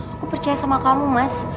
aku percaya sama kamu mas